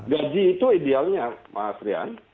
gaji itu idealnya pak asrian